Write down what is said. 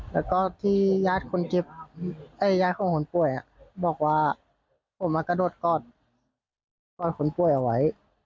แล้วก็ที่ยาดของคนป่วยบอกว่าผมก็กระโดดกอดคนป่วยเอาไว้